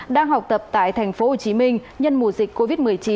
đang học tập tại tp hcm nhân mùa dịch covid một mươi chín